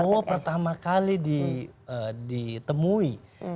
prabowo pertama kali ditemui